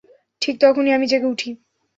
ঠিক তখনই আমি জেগে উঠি।